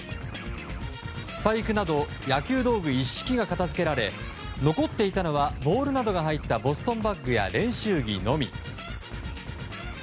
スパイクなど野球道具一式が片付けられ残っていたのはボールなどが入ったボストンバッグや練習着のみ。